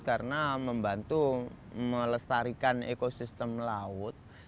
karena membantu melestarikan ekosistem laut